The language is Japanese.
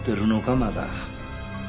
まだ。